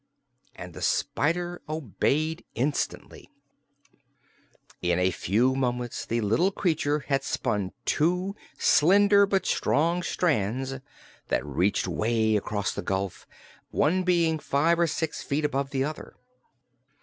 and the spider obeyed instantly. In a few moments the little creature had spun two slender but strong strands that reached way across the gulf, one being five or six feet above the other.